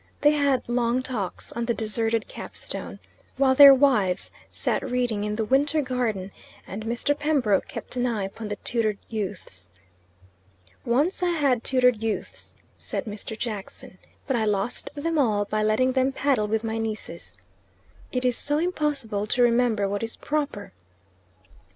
They had long talks on the deserted Capstone, while their wives sat reading in the Winter Garden and Mr. Pembroke kept an eye upon the tutored youths. "Once I had tutored youths," said Mr. Jackson, "but I lost them all by letting them paddle with my nieces. It is so impossible to remember what is proper."